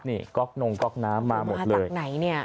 นี่ก๊อกนงก๊อกน้ำมาหมดเลย